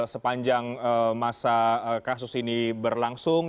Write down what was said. sepanjang masa kasus ini berlangsung